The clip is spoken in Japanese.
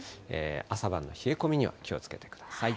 朝晩の冷え込みには気をつけてください。